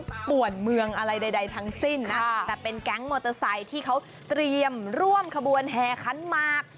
ป่วนเมืองอะไรใดทั้งสิ้นนะแต่เป็นแก๊งมอเตอร์ไซค์ที่เขาเตรียมร่วมขบวนแห่ขันมาก